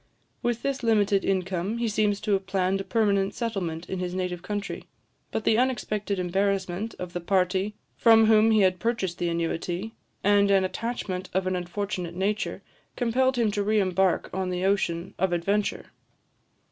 With this limited income, he seems to have planned a permanent settlement in his native country; but the unexpected embarrassment of the party from whom he had purchased the annuity, and an attachment of an unfortunate nature, compelled him to re embark on the ocean of adventure.